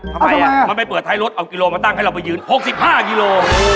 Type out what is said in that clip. ทำไมมันไปเปิดท้ายรถเอากิโลมาตั้งให้เราไปยืน๖๕กิโล